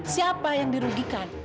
siapa yang dirugikan